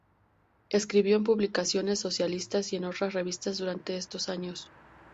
Escribió en publicaciones socialistas y otras revistas durante estos años.